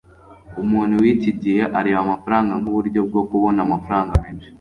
umuntu wiki gihe areba amafaranga nkuburyo bwo kubona amafaranga menshi